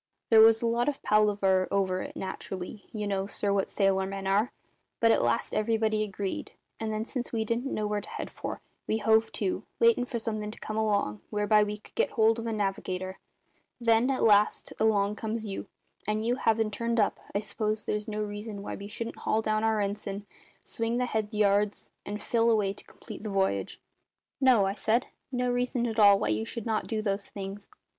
"There was a lot of palaver over it, naturally you know, sir, what sailor men are but at last everybody agreed; and then, since we didn't know where to head for, we hove to, waitin' for something to come along whereby we could get hold of a navigator. Then, at last, along comes you, and you havin' turned up, I s'pose there's no reason why we shouldn't haul down our ensign, swing the head yards, and fill away to complete the v'yage?" "No," I said; "no reason at all why you should not do those things.